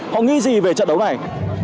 họ nghĩ gì về trận đấu này